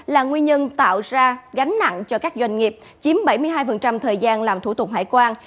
là nguyên nhân tạo ra gánh nặng cho các doanh nghiệp chiếm bảy mươi hai thời gian làm thủ tục hải quan